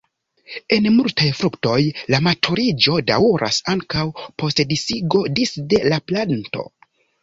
En multaj fruktoj la maturiĝo daŭras ankaŭ post disigo disde la planto.